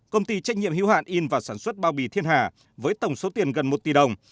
công ty trách nhiệm hữu hạn in và sản xuất bao bì thiên hà với tổng số tiền gần một tỷ đồng